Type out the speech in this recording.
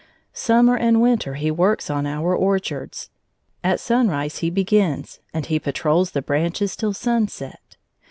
Summer and winter he works on our orchards. At sunrise he begins, and he patrols the branches till sunset.